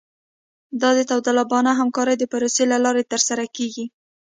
دا د داوطلبانه همکارۍ د پروسې له لارې ترسره کیږي